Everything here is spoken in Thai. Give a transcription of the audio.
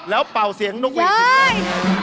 ๑๒แล้วเป่าเสียงนกเวทย์